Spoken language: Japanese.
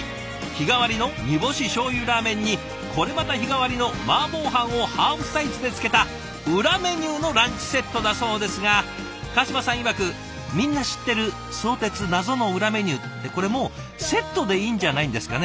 日替わりの煮干ししょうゆラーメンにこれまた日替わりのマーボー飯をハーフサイズでつけた裏メニューのランチセットだそうですが川島さんいわく「みんな知ってる相鉄謎の裏メニュー」ってこれもうセットでいいんじゃないんですかね？